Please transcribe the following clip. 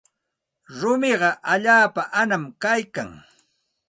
Rumiqa allaapa anam kaykan.